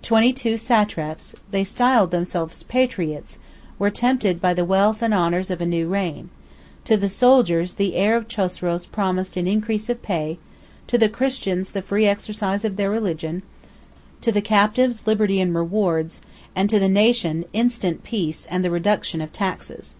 106 Twenty two satraps (they styled themselves patriots) were tempted by the wealth and honors of a new reign: to the soldiers, the heir of Chosroes promised an increase of pay; to the Christians, the free exercise of their religion; to the captives, liberty and rewards; and to the nation, instant peace and the reduction of taxes.